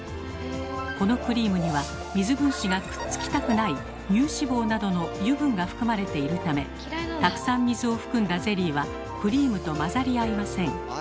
このクリームには水分子がくっつきたくない乳脂肪などの油分が含まれているためたくさん水を含んだゼリーはクリームと混ざり合いません。